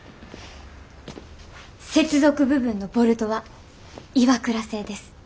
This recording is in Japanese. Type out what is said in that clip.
接続部分のボルトはＩＷＡＫＵＲＡ製です。